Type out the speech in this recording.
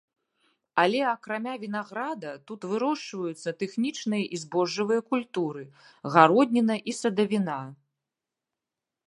Але акрамя вінаграда, тут вырошчваюцца тэхнічныя і збожжавыя культуры, гародніна і садавіна.